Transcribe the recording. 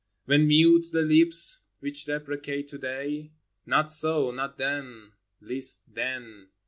When mute the lips which deprecate to day? — Not so ! not then—least then